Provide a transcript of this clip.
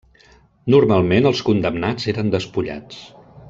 Normalment els condemnats eren despullats.